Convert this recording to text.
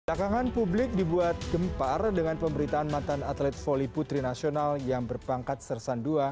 takangan publik dibuat gempar dengan pemberitaan mantan atlet voli putri nasional yang berpangkat sersan ii